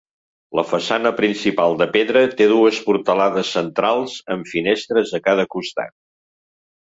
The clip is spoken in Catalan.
La façana principal, de pedra té dues portalades centrals amb finestres a cada costat.